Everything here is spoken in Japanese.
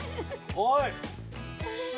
おい！